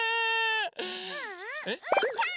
ううーたん！